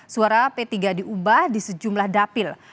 suara p tiga diubah di sejumlah dapil